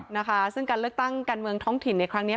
นะคะซึ่งการเลือกตั้งการเมืองท้องถิ่นในครั้งนี้